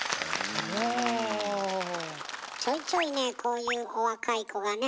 ちょいちょいねこういうお若い子がね